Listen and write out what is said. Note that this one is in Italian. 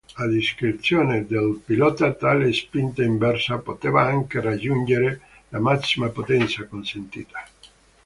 A discrezione del pilota, tale spinta inversa, poteva anche raggiungere la massima potenza consentita.